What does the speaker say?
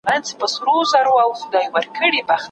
څېړنه هغه بهیر دی چي له پیله تر پایه پوره پاملرني ته اړتیا لري.